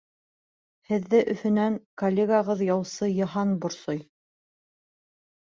Һеҙҙе Өфөнән коллегағыҙ яусы Йыһан борсой.